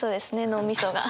脳みそが。